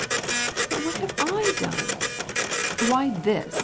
"But what have I done?" "Why, you've...."